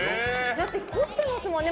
だって、凝ってますもんね。